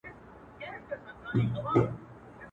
بیا به جهان راپسي ګورې نه به یمه.